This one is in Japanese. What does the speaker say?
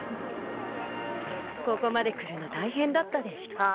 ここまで来るの大変だったでシュコー？